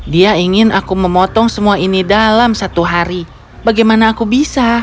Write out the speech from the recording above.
dia ingin aku memotong semua ini dalam satu hari bagaimana aku bisa